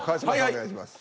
お願いします。